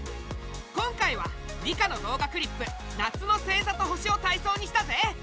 今回は理科の動画クリップ「夏の星ざと星」をたいそうにしたぜ！